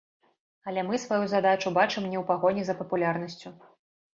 Але мы сваю задачу бачым не ў пагоні за папулярнасцю.